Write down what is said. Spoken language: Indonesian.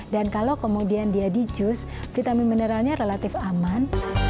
dan kalau kemudian dia di jus vitamin dan mineralnya relatif aman